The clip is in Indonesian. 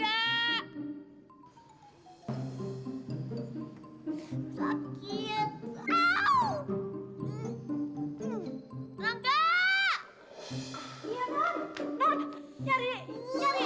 nyari nyari nyari nyari rangga ya